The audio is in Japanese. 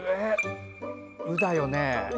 鵜だよね。